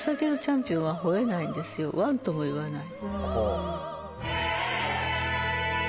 ワンとも言わない。